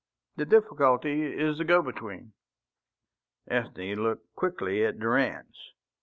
The difficulty is the go between." Ethne looked quickly at Durrance.